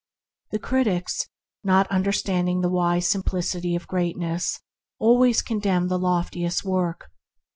The critics, not understanding the wise simplicity of greatness, con demn the loftiest work.